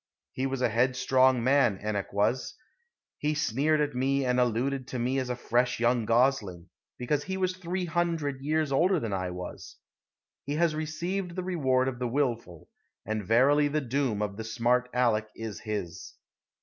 He was a headstrong man, Enoch was. He sneered at me and alluded to me as a fresh young gosling, because he was three hundred years older than I was. He has received the reward of the willful, and verily the doom of the smart Aleck is his."